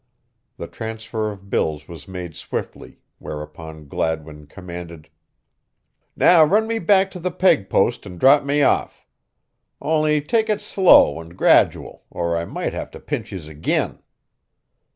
The transfer of bills was made swiftly, whereupon Gladwin commanded: "Now run me back to me peg post an' drop me off, on'y take it slow an' gradual or I might have to pinch yez again."